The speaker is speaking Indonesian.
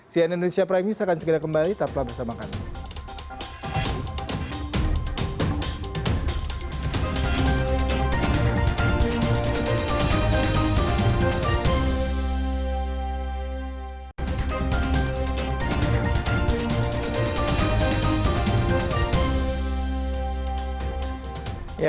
cnn indonesia prime news akan segera kembali taplah bersama kami